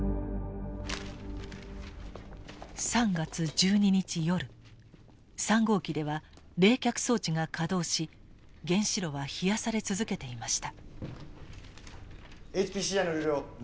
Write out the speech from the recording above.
３月１２日夜３号機では冷却装置が稼働し原子炉は冷やされ続けていました。